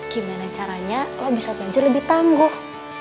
gimana caranya lo bisa belajar lebih tangguh